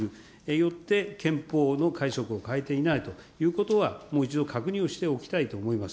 よって憲法の解釈を変えていないということは、もう一度確認をしておきたいと思います。